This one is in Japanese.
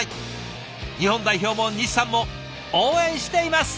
日本代表も西さんも応援しています！